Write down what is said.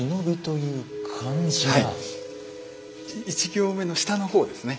１行目の下の方ですね。